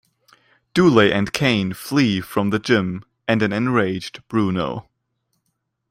Dooley and Kane flee from the gym and an enraged Bruno.